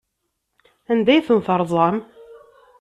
Anda ay ten-terẓam?